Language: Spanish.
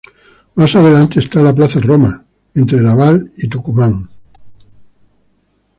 Más adelante está la Plaza Roma, entre Lavalle y Tucumán.